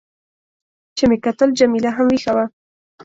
چې مې کتل، جميله هم وېښه وه.